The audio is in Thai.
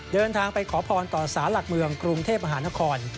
เดินทางไปขอพรต่อสารหลักเมืองกรุงเทพมหานคร